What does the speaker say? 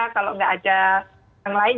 kalau nggak ada yang lain